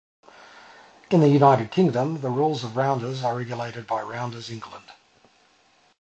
In the United Kingdom, the rules of rounders are regulated by Rounders England.